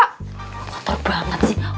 kotor banget sih